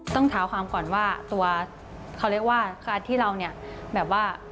ต้องเท้าความก่อนว่าตัวเขาเรียกว่าการที่เราเนี่ยแบบว่า